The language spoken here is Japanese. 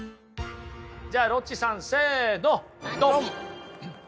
じゃあロッチさんせのドン！